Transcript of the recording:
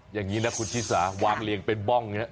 อย่างนี้นะคุณชิสาวางเรียงเป็นบ้องอย่างนี้